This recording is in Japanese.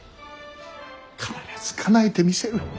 必ずかなえてみせる。